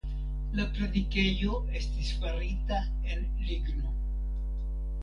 La predikejo estis farita en ligno.